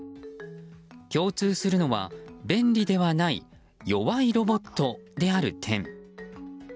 共通するのは、便利ではない弱いロボットである点。